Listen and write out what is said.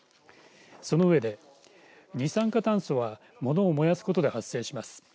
そのうえで二酸化炭素はものを燃やすことで発生します。